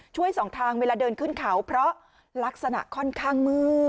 สองทางเวลาเดินขึ้นเขาเพราะลักษณะค่อนข้างมืด